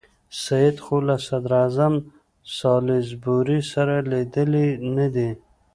سید خو له صدراعظم سالیزبوري سره لیدلي نه دي.